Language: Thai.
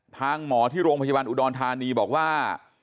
หมอที่โรงพยาบาลอุดรธานีบอกว่า